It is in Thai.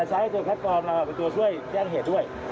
ก็ใช้ก็แท็กคอมเราเป็นตัวช่วยแก้งเหตุด้วย